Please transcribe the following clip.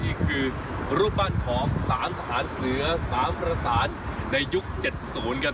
อีกคือรูปบ้านของ๓ทหารเสือ๓ประสานในยุค๗ศูนย์ครับ